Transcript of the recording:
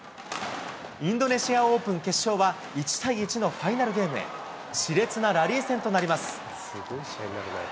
インドネシアオープン決勝は、１対１のファイナルゲームへ、しれつなラリー戦となります。